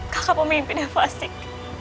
kakak pemimpin yang fasik